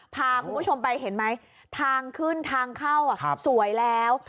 พาคุณผู้ชมไปเห็นไหมทางขึ้นทางเข้าสวยแล้ว